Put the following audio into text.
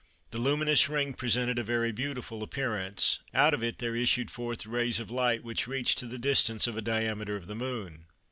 The luminous ring presented a very beautiful appearance: out of it there issued forth rays of light which reached to the distance of a diameter of the Moon.